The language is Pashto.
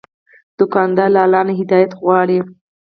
دوکاندار له الله نه هدایت غواړي.